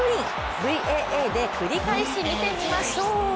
ＶＡＡで繰り返し見てみましょう。